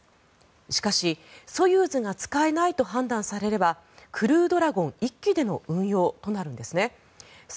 しかし、ソユーズが使えないと判断されればクルードラゴン１機での運用となるんです。